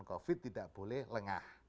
covid tidak boleh lengah